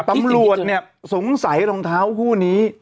ตำรวจเนี่ยสงสัยรองเท้าคู่นี้